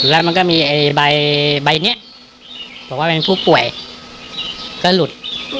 แล้วมันก็มีใบนี้บอกว่าเป็นผู้ป่วยก็หลุด